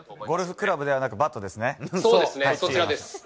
ゴルフクラブではなくてバットですね。